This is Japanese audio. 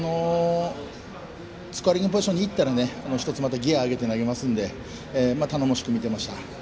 スコアリングポジションに行ったら、また１つギヤを上げて投げますので頼もしく見ていました。